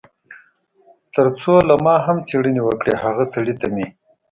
تر څو له ما هم څېړنې وکړي، هغه سړي ته مې.